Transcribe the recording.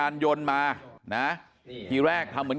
มันต้องการมาหาเรื่องมันจะมาแทงนะ